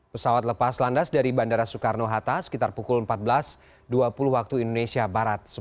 pesawat lepas landas dari bandara soekarno hatta sekitar pukul empat belas dua puluh waktu indonesia barat